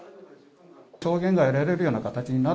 証言が得られるような形にな